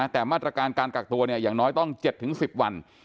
แต่มาตรการการกักตัวอย่างน้อยต้อง๗๑๐วัน